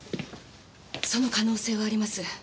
その可能性はあります。